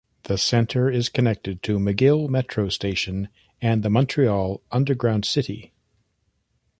The centre is connected to McGill Metro station and the Montreal Underground City.